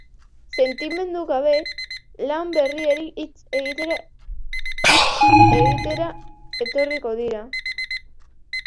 Sentimendu gabe lan berriari hitz egitera hitz egitera etorriko dira.